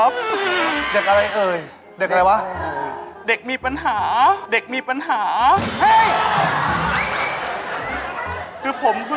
แบบ